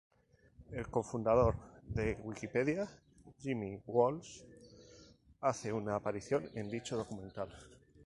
El cofundador de Wikipedia, Jimmy Wales hace una aparición en dicho documental.